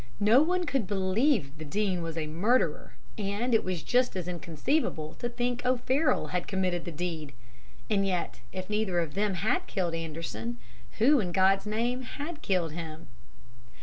No one could believe the Dean was a murderer; and it was just as inconceivable to think O'Farroll had committed the deed. And yet if neither of them had killed Anderson, who in God's name had killed him?